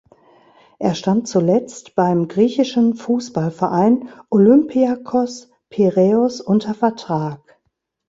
Er stand zuletzt beim griechischen Fußballverein Olympiakos Piräus unter Vertrag.